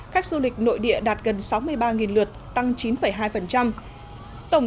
khách du lịch nội địa đạt gần sáu mươi ba lượt tăng chín hai